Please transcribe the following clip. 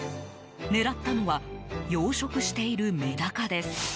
狙ったのは養殖しているメダカです。